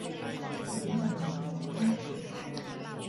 有此类似性质的还有七氧化二铼等。